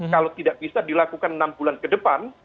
kalau tidak bisa dilakukan enam bulan ke depan